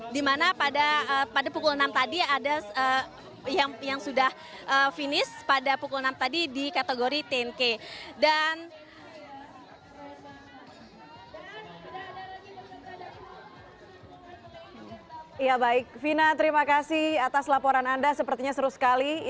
dimana pada pukul enam tadi ada yang sudah finish pada pukul enam tadi di kategori sepuluh